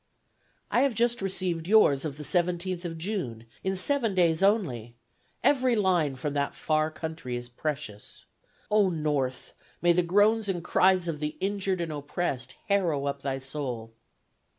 "I have just received yours of the 17th of June, in seven days only; every line from that far country is precious. ... O North, may the groans and cries of the injured and oppressed harrow up thy soul!"